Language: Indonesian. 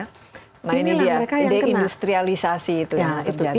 nah ini dia idein industrialisasi itu yang terjadi